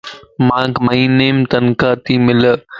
مانک مھينيم تنخواه تي ملَ